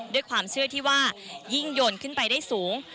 ด้วยความเชื่อที่ว่ายิ่งโยนขึ้นไปได้สูง